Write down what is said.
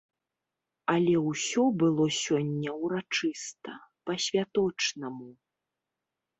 Але ўсё было сёння ўрачыста, па-святочнаму.